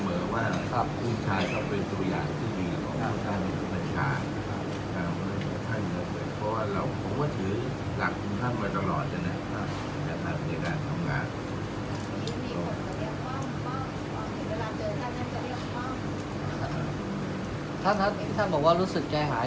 ขอทิ้งหน่าทำรู้สึกกล้ายหายจากการกักบรรทัศน์ไหนครับ